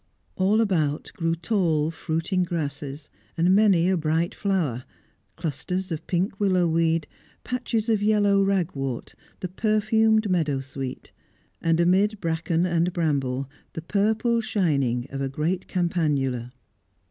All about grew tall, fruiting grasses, and many a bright flower; clusters of pink willow weed, patches of yellow ragwort, the perfumed meadowsweet, and, amid bracken and bramble, the purple shining of a great campanula.